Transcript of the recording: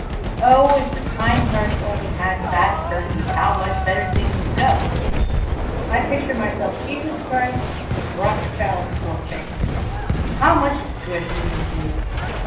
Oh, if the kind hearts only had fat purses, how much better things would go! I picture myself Jesus Christ with Rothschild's fortune! How much good he would do!